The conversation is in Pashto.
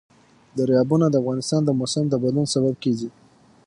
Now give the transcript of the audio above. دریابونه د افغانستان د موسم د بدلون سبب کېږي.